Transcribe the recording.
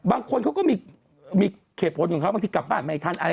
บางคนเขาก็มีเหตุผลของเขาบางทีกลับบ้านไม่ทันอะไร